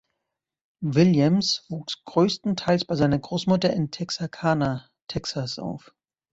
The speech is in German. Williams wuchs größtenteils bei seiner Großmutter in Texarkana, Texas auf.